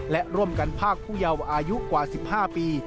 และร่วมกันภาคผู้เยาว์อายุกว่า๑๕ปี